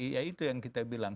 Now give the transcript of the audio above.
ya itu yang kita bilang